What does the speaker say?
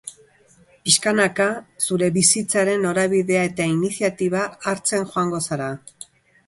Pixkanaka zure bizitzaren norabidea eta iniziatiba hartzen joango zara.